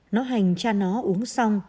nó hành cha nó uống xong